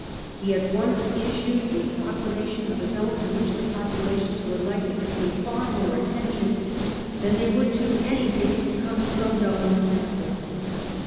He at once issued a proclamation of his own to which the populations were likely to pay far more attention than they would to anything coming from Dublin Castle.